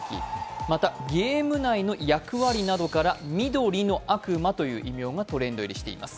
またゲーム内の役割などから緑の悪魔という異名がトレンド入りしています。